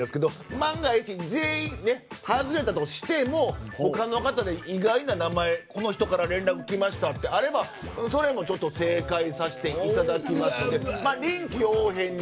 万が一、全員外れたとしても他の方で意外な名前この人から来ましたというのがあればそれも正解にさせていただきますのでまあ、臨機応変に。